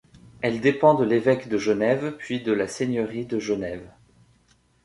Elle dépend de l'évêque de Genève, puis de la Seigneurie de Genève.